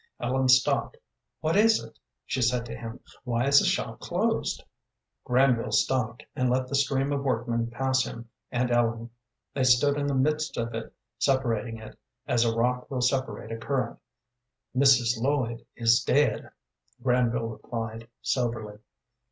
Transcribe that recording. Ellen stopped. "What is it?" she said to him. "Why is the shop closed?" Granville stopped, and let the stream of workmen pass him and Ellen. They stood in the midst of it, separating it, as rock will separate a current. "Mrs. Lloyd is dead," Granville replied, soberly.